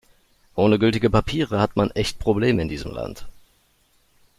Ohne gültige Papiere hat man echt Probleme in diesem Land.